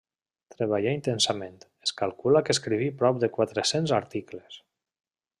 Treballà intensament, es calcula que escriví prop de quatre-cents articles.